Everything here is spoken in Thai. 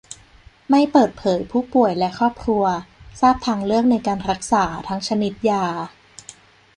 ไม่เปิดเผย ผู้ป่วย และ ครอบครัว ทราบทางเลือกในการรักษา ทั้งชนิดยา